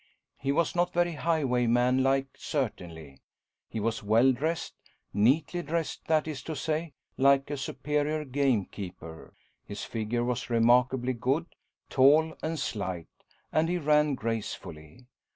He was not very highwayman like certainly; he was well dressed neatly dressed that is to say, like a superior gamekeeper his figure was remarkably good, tall and slight, and he ran gracefully.